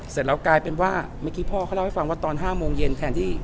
เสร็จแล้วกลายเป็นว่าเมื่อกี้พ่อเขาเล่าให้ฟังว่าตอน๕โมงเย็นแทนที่